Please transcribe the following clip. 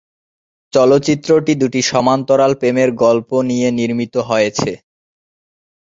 চলচ্চিত্রটি দুটি সমান্তরাল প্রেমের গল্প নিয়ে নির্মিত হয়েছে।